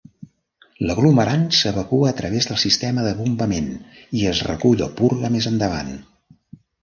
L'aglomerant s'evacua a través del sistema de bombament i es recull o purga més endavant.